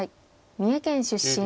三重県出身。